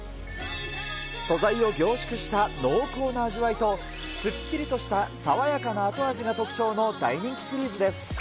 素材を凝縮した濃厚な味わいと、すっきりとした爽やかな後味が特徴の大人気シリーズです。